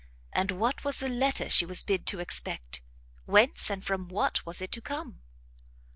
And what was the letter she was bid to expect? Whence and from what was it to come?